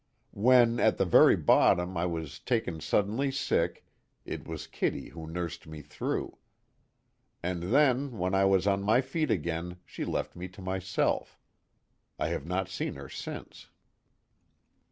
"When, at the very bottom, I was taken suddenly sick, it was Kitty who nursed me through. And then, when I was on my feet again she left me to myself. I have not seen her since."